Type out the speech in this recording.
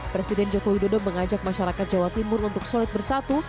presiden joko widodo mengajak masyarakat jawa timur untuk solid bersatu